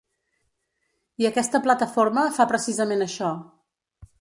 I aquesta plataforma fa precisament això.